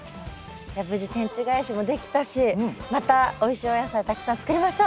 無事天地返しもできたしまたおいしいお野菜たくさん作りましょう！